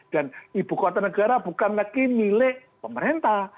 dan ibu kota negara bukan lagi milik pemerintah